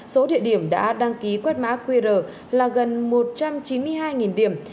số địa điểm đã đăng ký quét mã qr là gần một trăm chín mươi hai điểm